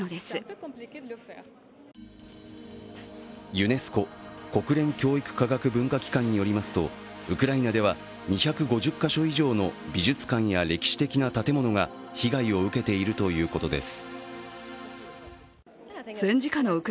ユネスコ＝国連教育科学文化機関によりますと、ウクライナでは２５０か所以上の美術館や歴史的な建物が被害を受けているということです。